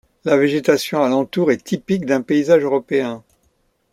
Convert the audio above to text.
La végétation alentour est typique d'un paysage européen.